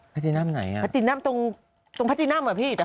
ตินัมไหนอ่ะพระตินัมตรงตรงพตินัมอ่ะพี่